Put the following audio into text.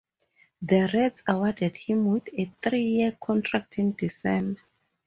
The Reds rewarded him with a three-year contract in December.